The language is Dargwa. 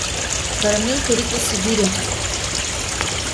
Карамелька рикӀуси бирехӀе.